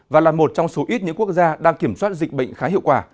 và là một trong số ít những quốc gia đang kiểm soát dịch bệnh khá hiệu quả